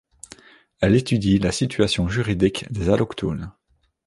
Elle étudie la situation juridique des allochtones.